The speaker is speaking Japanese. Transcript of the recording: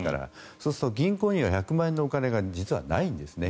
そうすると銀行には１００万円のお金は実はないんですね。